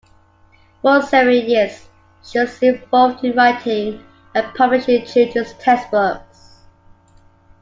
For several years she was involved in writing and publishing children's textbooks.